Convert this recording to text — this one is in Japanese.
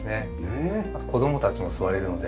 子供たちも座れるので。